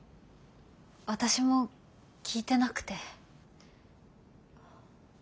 私も聞いてなくて。